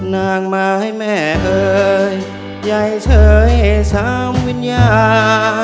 นางมาให้แม่เอ่ยใหญ่เชยให้ซ้ำวิญญา